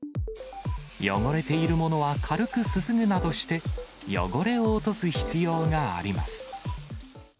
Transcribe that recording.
汚れているものは軽くすすぐなどして、汚れを落とす必要があります。